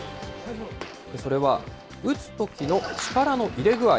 それは、打つときの力の入れ具合。